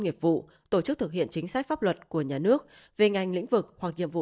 nghiệp vụ tổ chức thực hiện chính sách pháp luật của nhà nước về ngành lĩnh vực hoặc nhiệm vụ